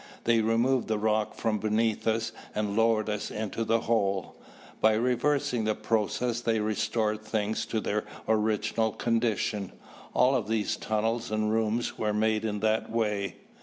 They removed the rock from beneath us and lowered us into the hole. By reversing the process they restored things to their original condition. All of these tunnels and rooms were made in that way."